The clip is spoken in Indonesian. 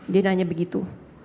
dia nanya begitu